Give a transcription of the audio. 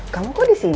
kamu kok disini